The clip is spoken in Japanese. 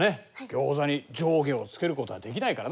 ギョーザに上下をつけることはできないからな。